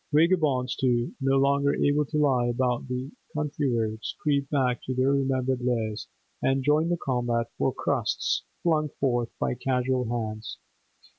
Vagabonds, too, no longer able to lie about the country roads, creep back to their remembered lairs and join the combat for crusts flung forth by casual hands.